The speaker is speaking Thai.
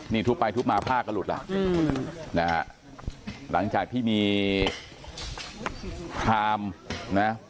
นี่ทุบไปทุบมาผ้าก็หลุดล่ะนะฮะหลังจากที่มีพรามนะ